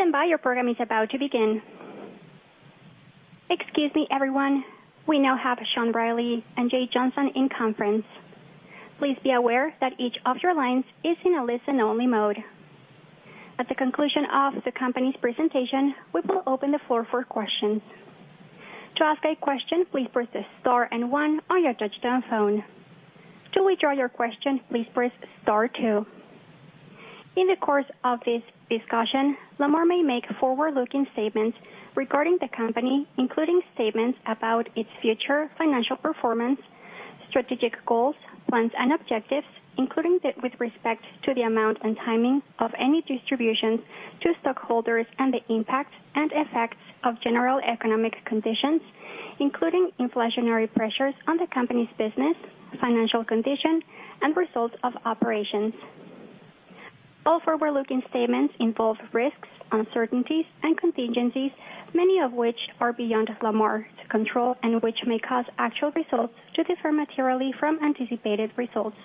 Please stand by. Your program is about to begin. Excuse me, everyone. We now have Sean Reilly and Jay Johnson in conference. Please be aware that each of your lines is in a listen only mode. At the conclusion of the company's presentation, we will open the floor for questions. To ask a question, please press star and one on your touchtone phone. To withdraw your question, please press star two. In the course of this discussion, Lamar may make forward-looking statements regarding the company, including statements about its future financial performance, strategic goals, plans and objectives, including that with respect to the amount and timing of any distributions to stockholders and the impact and effects of general economic conditions, including inflationary pressures on the company's business, financial condition, and results of operations. All forward-looking statements involve risks, uncertainties and contingencies, many of which are beyond Lamar's control and which may cause actual results to differ materially from anticipated results.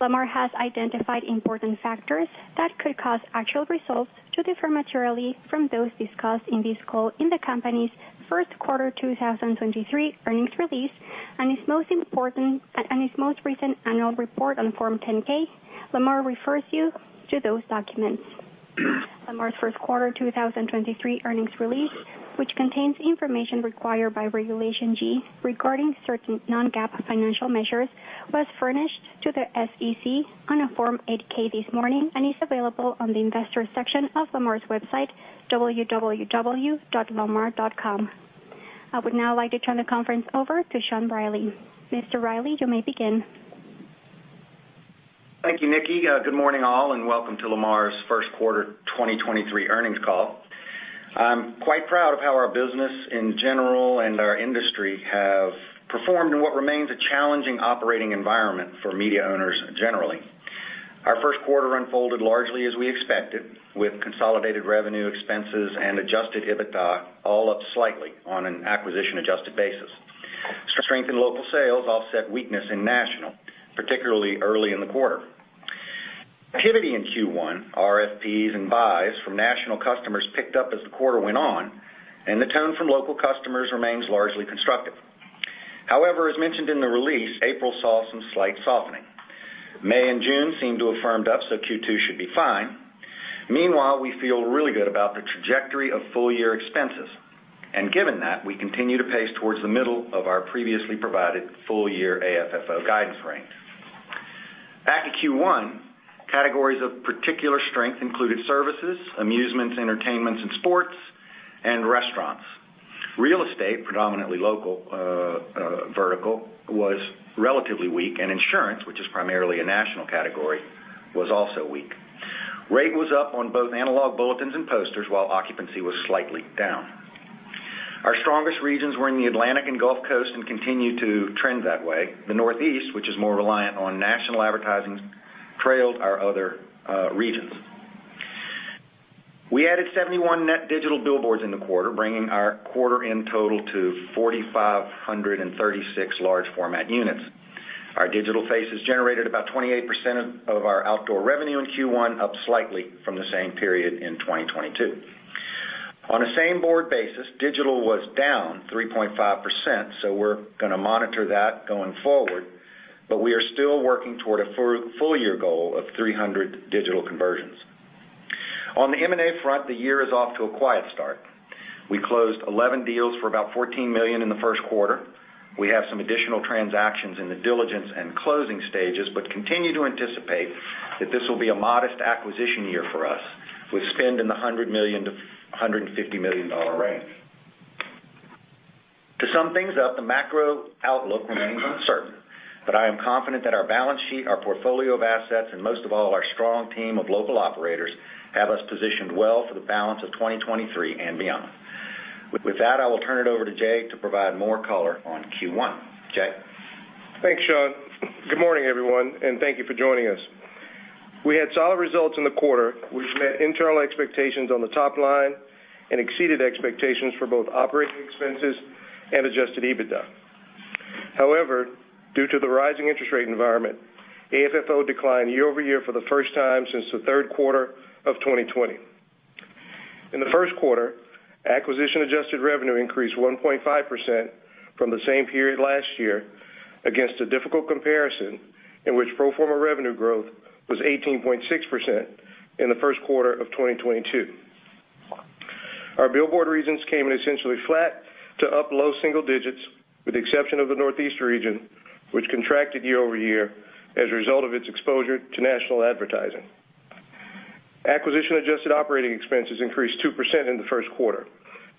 Lamar has identified important factors that could cause actual results to differ materially from those discussed in this call in the company's first quarter 2023 earnings release and its most recent annual report on Form 10-K. Lamar refers you to those documents. Lamar's first quarter 2023 earnings release, which contains information required by Regulation G regarding certain non-GAAP financial measures, was furnished to the SEC on a Form 8-K this morning and is available on the Investors section of Lamar's website, www.lamar.com. I would now like to turn the conference over to Sean Reilly. Mr. Reilly, you may begin. Thank you, Nikki. Good morning, all, welcome to Lamar's first quarter 2023 earnings call. I'm quite proud of how our business in general and our industry have performed in what remains a challenging operating environment for media owners generally. Our first quarter unfolded largely as we expected, with consolidated revenue expenses and Adjusted EBITDA all up slightly on an acquisition-adjusted basis. Strengthened local sales offset weakness in national, particularly early in the quarter. Activity in Q1, RFPs and buys from national customers picked up as the quarter went on, the tone from local customers remains largely constructive. As mentioned in the release, April saw some slight softening. May and June seem to have firmed up, Q2 should be fine. Meanwhile, we feel really good about the trajectory of full year expenses. Given that, we continue to pace towards the middle of our previously provided full year AFFO guidance range. Back to Q1, categories of particular strength included services, amusements, entertainments and sports and restaurants. Real estate, predominantly local, vertical, was relatively weak, and insurance, which is primarily a national category, was also weak. Rate was up on both analog bulletins and posters, while occupancy was slightly down. Our strongest regions were in the Atlantic and Gulf Coast and continue to trend that way. The Northeast, which is more reliant on national advertising, trailed our other regions. We added 71 net digital billboards in the quarter, bringing our quarter end total to 4,536 large format units. Our digital faces generated about 28% of our outdoor revenue in Q1, up slightly from the same period in 2022. On a same board basis, digital was down 3.5%, so we're going to monitor that going forward, but we are still working toward a full year goal of 300 digital conversions. On the M&A front, the year is off to a quiet start. We closed 11 deals for about $14 million in the first quarter. Continue to anticipate that this will be a modest acquisition year for us, with spend in the $100 million-$150 million range. To sum things up, the macro outlook remains uncertain. I am confident that our balance sheet, our portfolio of assets, and most of all, our strong team of local operators, have us positioned well for the balance of 2023 and beyond. With that, I will turn it over to Jay to provide more color on Q1. Jay? Thanks, Sean. Good morning, everyone. Thank you for joining us. We had solid results in the quarter, which met internal expectations on the top line and exceeded expectations for both operating expenses and Adjusted EBITDA. However, due to the rising interest rate environment, AFFO declined year-over-year for the first time since the third quarter of 2020. In the first quarter, acquisition adjusted revenue increased 1.5% from the same period last year against a difficult comparison in which pro forma revenue growth was 18.6% in the first quarter of 2022. Our billboard regions came in essentially flat to up low single digits with the exception of the Northeast region, which contracted year-over-year as a result of its exposure to national advertising. Acquisition adjusted operating expenses increased 2% in the first quarter,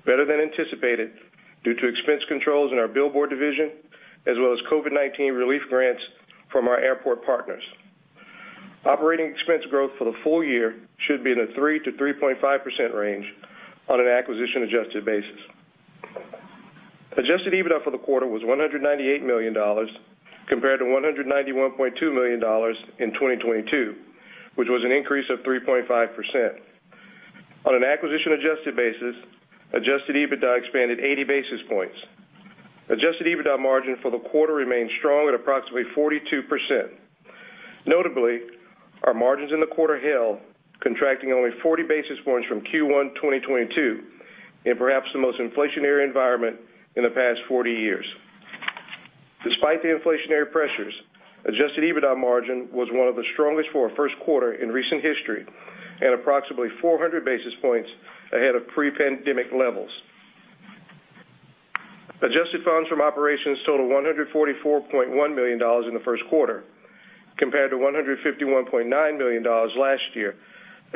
better than anticipated due to expense controls in our billboard division, as well as COVID-19 relief grants from our airport partners. Operating expense growth for the full year should be in the 3%-3.5% range on an acquisition adjusted basis. Adjusted EBITDA for the quarter was $198 million compared to $191.2 million in 2022, which was an increase of 3.5%. On an acquisition adjusted basis, Adjusted EBITDA expanded 80 basis points. Adjusted EBITDA margin for the quarter remained strong at approximately 42%. Notably, our margins in the quarter hailed, contracting only 40 basis points from Q1 2022 in perhaps the most inflationary environment in the past 40 years. Despite the inflationary pressures, Adjusted EBITDA margin was one of the strongest for a first quarter in recent history and approximately 400 basis points ahead of pre-pandemic levels. Adjusted Funds From Operations totaled $144.1 million in the first quarter compared to $151.9 million last year,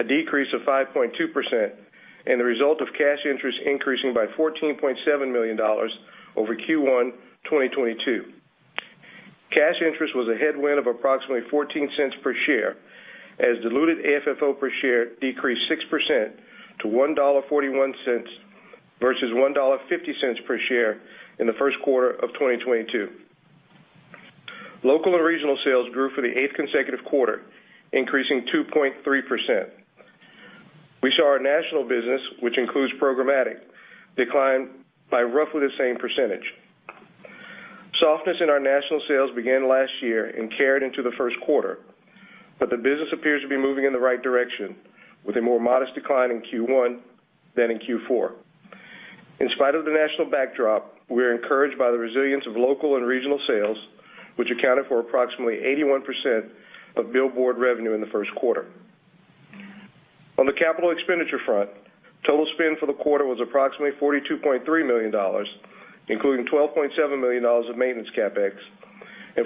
a decrease of 5.2% and the result of cash interest increasing by $14.7 million over Q1 2022. Cash interest was a headwind of approximately $0.14 per share as diluted AFFO per share decreased 6% to $1.41 versus $1.50 per share in the first quarter of 2022. Local and regional sales grew for the eighth consecutive quarter, increasing 2.3%. We saw our national business, which includes programmatic, decline by roughly the same percentage. Softness in our national sales began last year and carried into the first quarter, but the business appears to be moving in the right direction with a more modest decline in Q1 than in Q4. In spite of the national backdrop, we are encouraged by the resilience of local and regional sales, which accounted for approximately 81% of billboard revenue in the first quarter. On the capital expenditure front, total spend for the quarter was approximately $42.3 million, including $12.7 million of maintenance CapEx.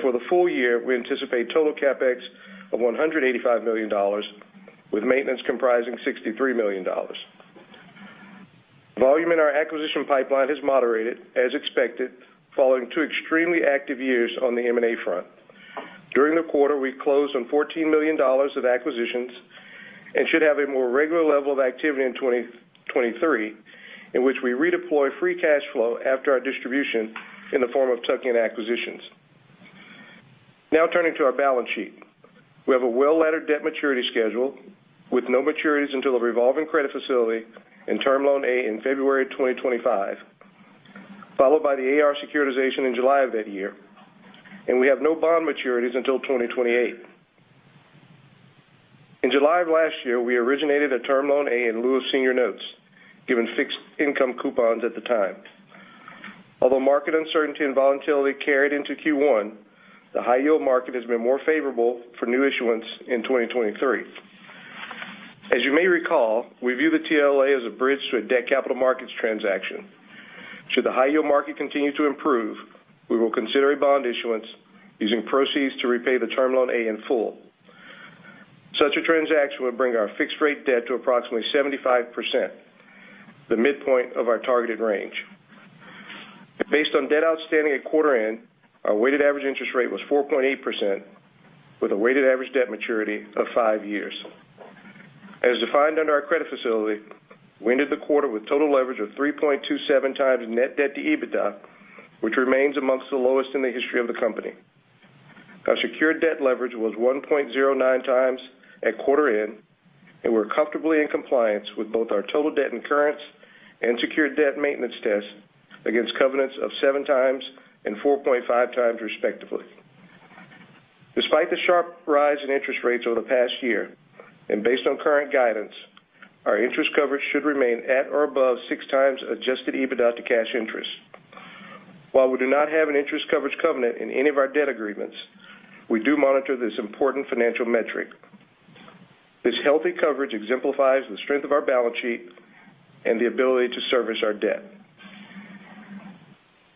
For the full year, we anticipate total CapEx of $185 million, with maintenance comprising $63 million. Volume in our acquisition pipeline has moderated as expected following two extremely active years on the M&A front. During the quarter, we closed on $14 million of acquisitions and should have a more regular level of activity in 2023, in which we redeploy free cash flow after our distribution in the form of tuck-in acquisitions. Turning to our balance sheet. We have a well-laddered debt maturity schedule with no maturities until the revolving credit facility and Term Loan A in February 2025, followed by the AR securitization in July of that year, and we have no bond maturities until 2028. In July of last year, we originated a Term Loan A in lieu of senior notes, given fixed income coupons at the time. Market uncertainty and volatility carried into Q1, the high yield market has been more favorable for new issuance in 2023. You may recall, we view the TLA as a bridge to a debt capital markets transaction. Should the high yield market continue to improve, we will consider a bond issuance using proceeds to repay the Term Loan A in full. Such a transaction would bring our fixed rate debt to approximately 75%, the midpoint of our targeted range. Based on debt outstanding at quarter end, our weighted average interest rate was 4.8% with a weighted average debt maturity of five years. As defined under our credit facility, we ended the quarter with total leverage of 3.27x net debt to EBITDA, which remains amongst the lowest in the history of the company. Our secured debt leverage was 1.09x at quarter end. We're comfortably in compliance with both our total debt incurrence and secured debt maintenance test against covenants of 7x and 4.5x, respectively. Despite the sharp rise in interest rates over the past year, based on current guidance, our interest coverage should remain at or above 6x Adjusted EBITDA to cash interest. While we do not have an interest coverage covenant in any of our debt agreements, we do monitor this important financial metric. This healthy coverage exemplifies the strength of our balance sheet and the ability to service our debt.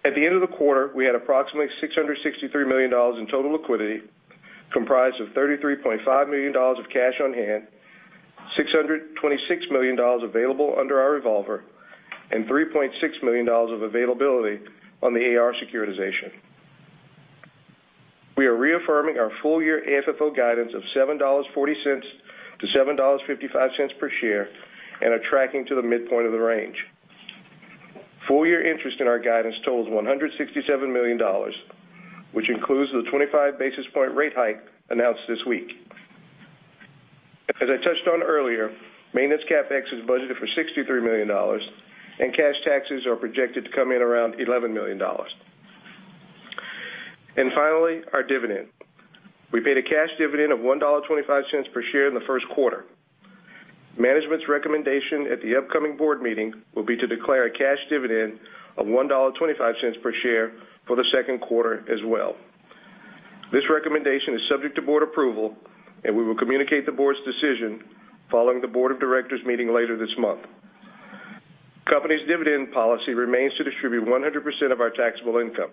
At the end of the quarter, we had approximately $663 million in total liquidity, comprised of $33.5 million of cash on hand, $626 million available under our revolver, and $3.6 million of availability on the AR securitization. We are reaffirming our full-year AFFO guidance of $7.40-$7.55 per share and are tracking to the midpoint of the range. Full year interest in our guidance totals $167 million, which includes the 25 basis point rate hike announced this week. As I touched on earlier, maintenance CapEx is budgeted for $63 million. Cash taxes are projected to come in around $11 million. Finally, our dividend. We paid a cash dividend of $1.25 per share in the first quarter. Management's recommendation at the upcoming board meeting will be to declare a cash dividend of $1.25 per share for the second quarter as well. This recommendation is subject to board approval. We will communicate the board's decision following the board of directors meeting later this month. Company's dividend policy remains to distribute 100% of our taxable income.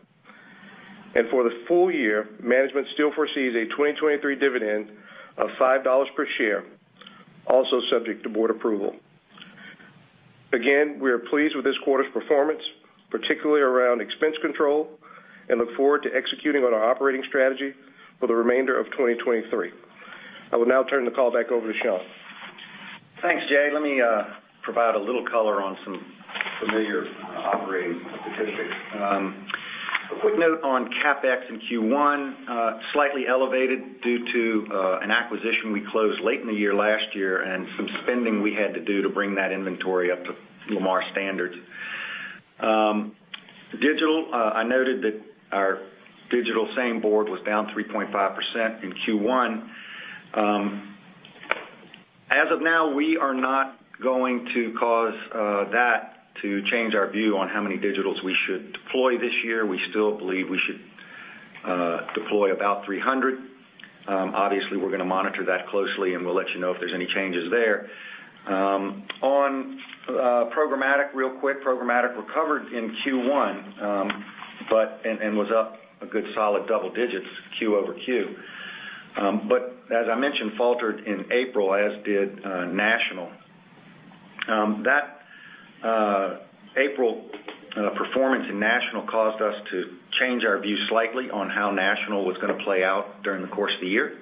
For the full year, management still foresees a 2023 dividend of $5 per share, also subject to board approval. Again, we are pleased with this quarter's performance, particularly around expense control, and look forward to executing on our operating strategy for the remainder of 2023. I will now turn the call back over to Sean. Thanks, Jay. Let me provide a little color on some familiar operating statistics. A quick note on CapEx in Q1, slightly elevated due to an acquisition we closed late in the year last year and some spending we had to do to bring that inventory up to Lamar standards. Digital, I noted that our digital same board was down 3.5% in Q1. As of now, we are not going to cause that to change our view on how many digitals we should deploy this year. We still believe we should deploy about 300. Obviously, we're gonna monitor that closely, and we'll let you know if there's any changes there. On programmatic, real quick, programmatic recovered in Q1, and was up a good solid double digits Q-over-Q. As I mentioned, faltered in April, as did national. That April performance in national caused us to change our view slightly on how national was gonna play out during the course of the year.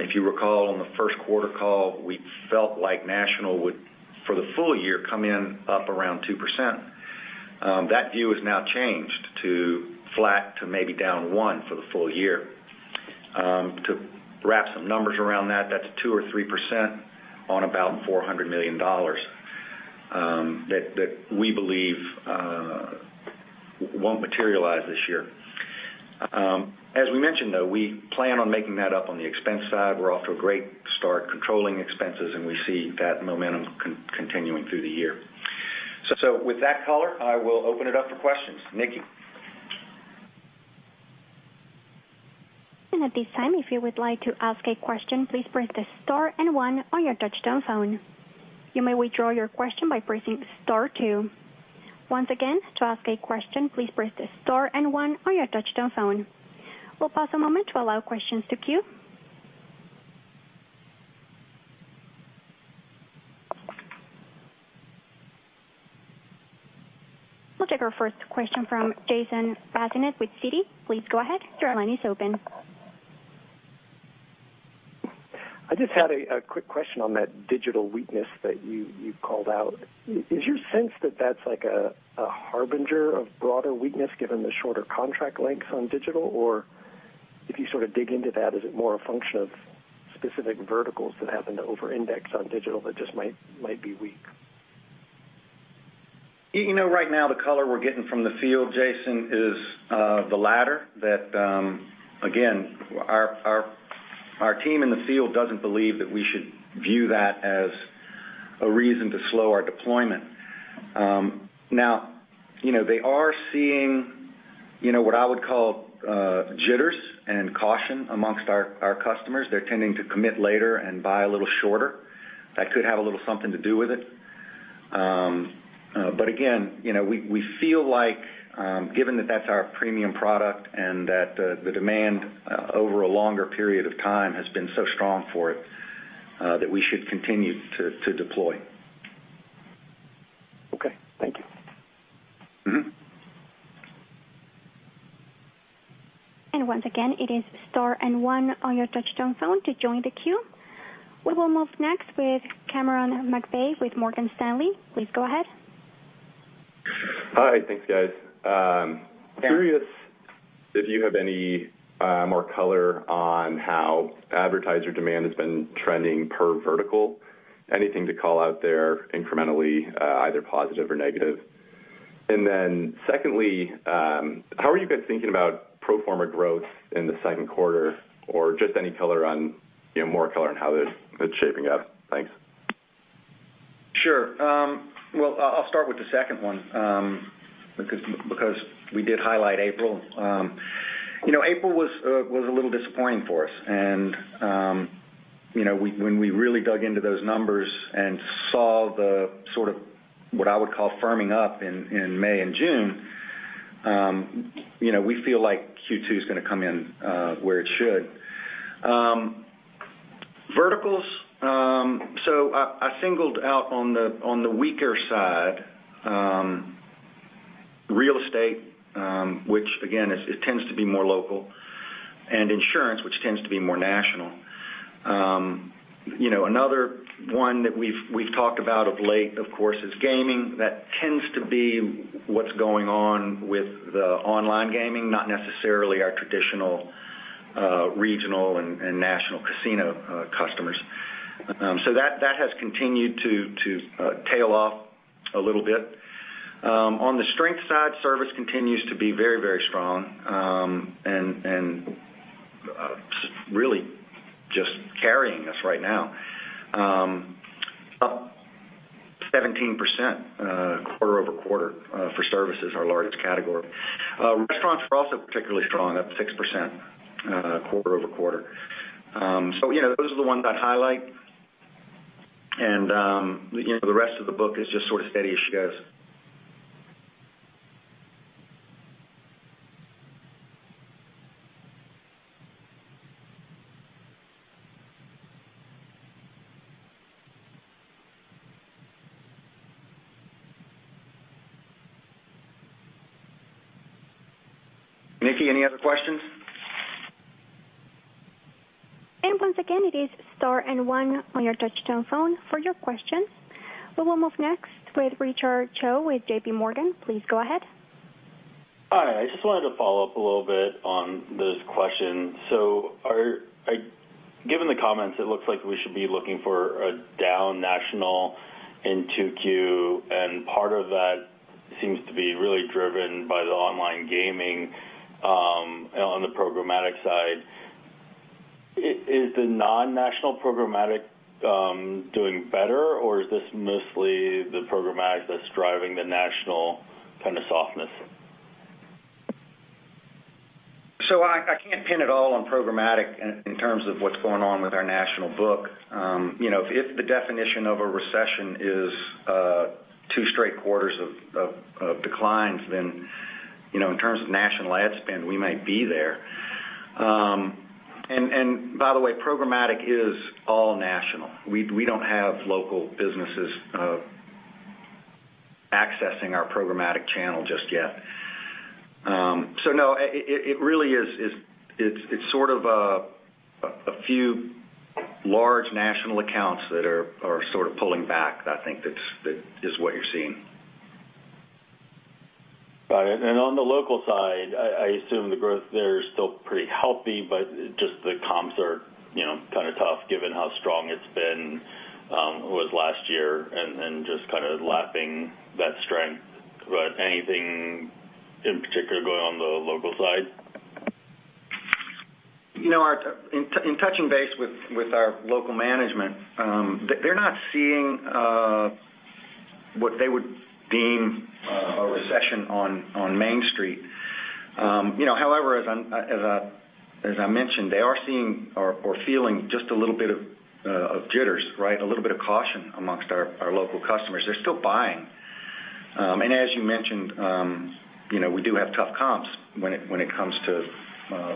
If you recall, on the first quarter call, we felt like national would, for the full year, come in up around 2%. That view has now changed to flat to maybe down 1% for the full year. To wrap some numbers around that's 2% or 3% on about $400 million, that we believe won't materialize this year. As we mentioned, though, we plan on making that up on the expense side. We're off to a great start controlling expenses, and we see that momentum continuing through the year. With that, caller, I will open it up for questions. Nikki? At this time, if you would like to ask a question, please press star and one on your touchtone phone. You may withdraw your question by pressing star two. Once again, to ask a question, please press star and one on your touchtone phone. We'll pause a moment to allow questions to queue. We'll take our first question from Jason Bazinet with Citi. Please go ahead. Your line is open. I just had a quick question on that digital weakness that you called out. Is your sense that that's like a harbinger of broader weakness given the shorter contract lengths on digital? Or if you sort of dig into that, is it more a function of specific verticals that happen to over-index on digital that just might be weak? You know, right now the color we're getting from the field, Jason, is the latter that again, our team in the field doesn't believe that we should view that as a reason to slow our deployment. Now, you know, they are seeing, you know, what I would call jitters and caution amongst our customers. They're tending to commit later and buy a little shorter. That could have a little something to do with it. Again, you know, we feel like given that that's our premium product and that the demand over a longer period of time has been so strong for it, that we should continue to deploy. Okay. Thank you. Mm-hmm. Once again, it is star and one on your touchtone phone to join the queue. We will move next with Cameron McVeigh with Morgan Stanley. Please go ahead. Hi. Thanks, guys. Yeah. Curious if you have any more color on how advertiser demand has been trending per vertical. Anything to call out there incrementally, either positive or negative? Secondly, how are you guys thinking about pro forma growth in the second quarter? Just any color on, you know, more color on how that's shaping up? Thanks. Sure. Well I'll start with the second one, because we did highlight April. You know, April was a little disappointing for us. You know, when we really dug into those numbers and saw the sort of what I would call firming up in May and June, you know, we feel like Q2 is gonna come in where it should. Verticals, so I singled out on the weaker side, real estate, which again it tends to be more local, and insurance, which tends to be more national. You know, another one that we've talked about of late, of course, is gaming. That tends to be what's going on with the online gaming, not necessarily our traditional, regional and national casino customers. So that has continued to tail off a little bit. On the strength side, service continues to be very strong and really just carrying us right now. Up 17% quarter-over-quarter for service is our largest category. Restaurants are also particularly strong, up 6% quarter-over-quarter. You know, those are the ones I'd highlight. You know, the rest of the book is just sort of steady as she goes. Nikki, any other questions? Once again, it is star and one on your touchtone phone for your questions. We will move next with Richard Choe with JPMorgan. Please go ahead. Hi. I just wanted to follow up a little bit on this question. Given the comments, it looks like we should be looking for a down national in 2Q, part of that seems to be really driven by the online gaming, on the programmatic side. Is the non-national programmatic doing better, or is this mostly the programmatic that's driving the national kind of softness? I can't pin it all on programmatic in terms of what's going on with our national book. You know, if the definition of a recession is, two straight quarters of declines, you know, in terms of national ad spend, we might be there. By the way, programmatic is all national. We don't have local businesses accessing our programmatic channel just yet. No, it really is. It's sort of a few large national accounts that are sort of pulling back. I think that is what you're seeing. Got it. On the local side, I assume the growth there is still pretty healthy, but just the comps are, you know, kind of tough given how strong it's been, was last year and just kind of lapping that strength. Anything in particular going on the local side? You know, touching base with our local management, they're not seeing what they would deem a recession on Main Street. You know, however, as I mentioned, they are seeing or feeling just a little bit of jitters, right? A little bit of caution amongst our local customers. They're still buying. As you mentioned, you know, we do have tough comps when it comes to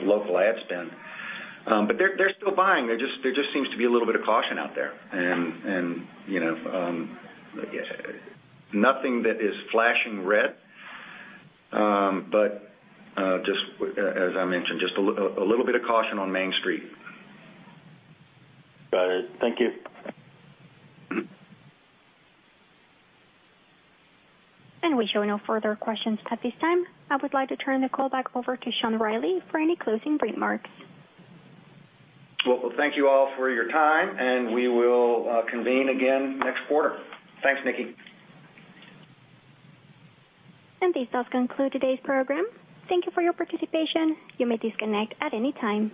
local ad spend. They're still buying. There just seems to be a little bit of caution out there and, you know, nothing that is flashing red, just as I mentioned, just a little bit of caution on Main Street. Got it. Thank you. We show no further questions at this time. I would like to turn the call back over to Sean Reilly for any closing remarks. Well, thank you all for your time, and we will convene again next quarter. Thanks, Nikki. This does conclude today's program. Thank you for your participation. You may disconnect at any time.